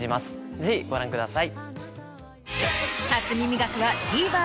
ぜひご覧ください。